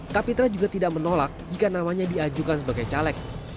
kapitra juga tidak menolak jika namanya diajukan sebagai caleg